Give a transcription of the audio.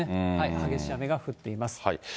激しい雨が降っています。